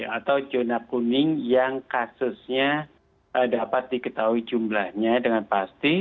atau zona kuning yang kasusnya dapat diketahui jumlahnya dengan pasti